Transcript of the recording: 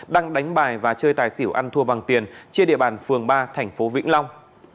đang đánh bài và chơi tài xỉu ăn thua bằng tiền trên địa bàn phường ba thành phố vĩnh long